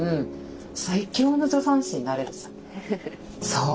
そう！